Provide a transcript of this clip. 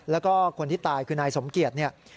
แล้วก็คนที่ตายคือนายสมเกียจเนี่ย